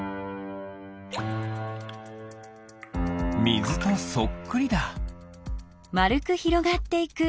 みずとそっくりだ。